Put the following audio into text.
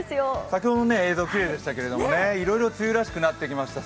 先ほどの映像もきれいでしたけどいろいろ梅雨らしくなってきました。